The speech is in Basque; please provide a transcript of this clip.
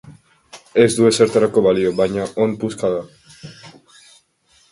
Ez du ezertarako balio, baina on puska da.